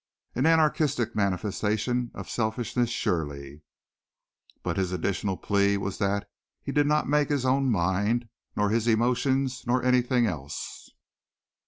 An anarchistic manifestation of selfishness surely; but his additional plea was that he did not make his own mind, nor his emotions, nor anything else.